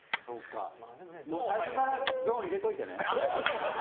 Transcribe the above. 最初からゾーン入れておいてね。